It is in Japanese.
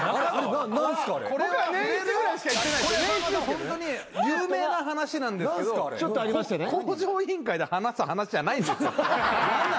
ホントに有名な話なんですけど『向上委員会』で話す話じゃないんですよ。